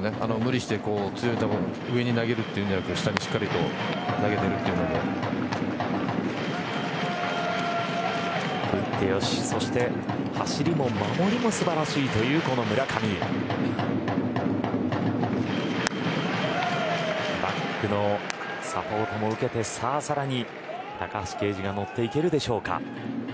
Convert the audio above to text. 無理して強い球を上に投げているんじゃなくてしっかり投げているというのも打ってよし、そして走りも守りも素晴らしいというこの村上バックのサポートも受けてさらに高橋奎二がのっていけるでしょうか。